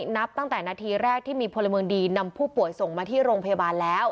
นับตั้งแต่นาทีแรกที่มีพลเมืองดีนำผู้ป่วยส่งมาที่โรงพยาบาลแล้ว